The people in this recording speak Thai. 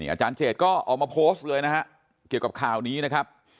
อาจารย์เจดก็ออกมาโพสต์เลยนะฮะเกี่ยวกับข่าวนี้นะครับ